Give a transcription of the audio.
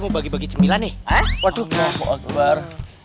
bukan bagi bagi cemilan tapi kita yang dijadiin cemilan sama si hantu itu tuh